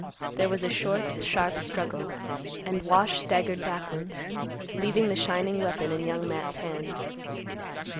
There was a short, sharp struggle, and Wash staggered backward, leaving the shining weapon in Young Matt's hand.